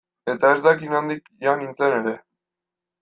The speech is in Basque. Eta ez dakit nondik joan nintzen ere.